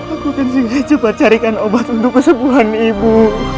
aku ke sini cepat carikan obat untuk kesembuhan ibu